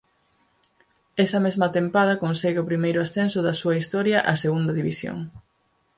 Esa mesma tempada consegue o primeiro ascenso da súa historia á Segunda División.